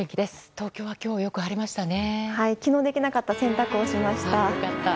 東京は今日、よく晴れましたね。